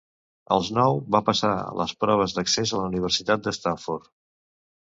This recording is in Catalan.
Als nou, va passar les proves d'accés de la Universitat de Stanford.